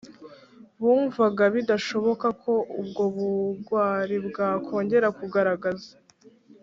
bumvaga bidashoboka ko ubwo bugwari bwakongera kugaragaza